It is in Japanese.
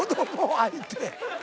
相手。